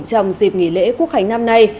trong dịp nghỉ lễ quốc hành năm nay